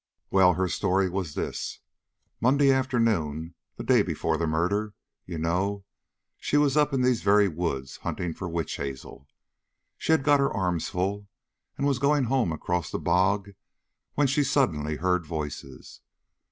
"Well, her story was this: Monday afternoon, the day before the murder, you know, she was up in these very woods hunting for witch hazel. She had got her arms full and was going home across the bog when she suddenly heard voices.